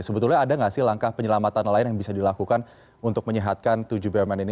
sebetulnya ada nggak sih langkah penyelamatan lain yang bisa dilakukan untuk menyehatkan tujuh bumn ini